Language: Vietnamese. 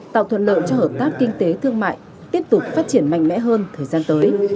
tạo thuận lợi cho hợp tác kinh tế thương mại tiếp tục phát triển mạnh mẽ hơn thời gian tới